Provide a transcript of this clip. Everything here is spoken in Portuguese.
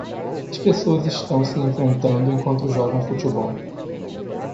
As pessoas estão se enfrentando enquanto jogam futebol.